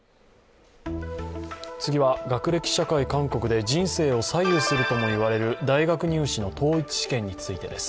次は学歴社会、韓国で人生を左右するともいわれている大学入試の統一試験についてです。